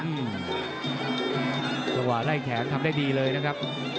จังหวะไล่แขนทำได้ดีเลยนะครับ